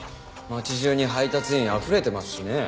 街中に配達員あふれてますしね。